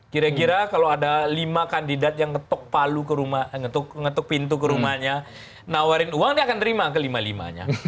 kira kira kalau ada lima kandidat yang ngetuk pintu ke rumahnya nawarin uang dia akan terima kelima limanya